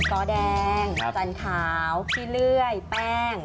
ก้อแดงจันทร์ขาวชิ้นเรื่อยแป้ง